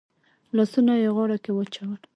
لاسونه يې غاړه کې واچول.